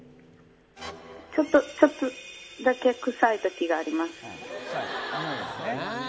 ちょっとだけ臭い時があります。